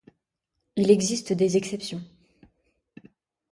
Il existe des exceptions.